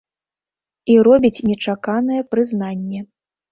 І робіць нечаканае прызнанне.